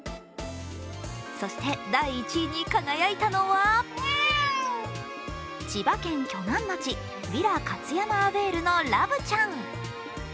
そして第１位に輝いたのは千葉県鋸南町ヴィラ勝山アヴェールのラブちゃん。